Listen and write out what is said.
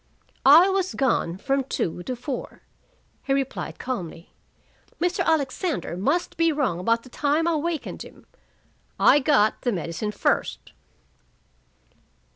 "I was gone from two to four," he replied calmly. "Mr. Alexander must be wrong about the time I wakened him. I got the medicine first."